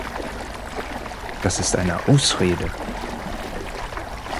Das ist eine Ausrede!